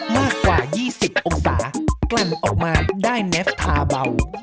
มากกว่า๒๐องศากลั่นออกมาได้แนฟทาเบา